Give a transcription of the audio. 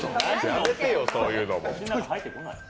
やめてよ、そういうの。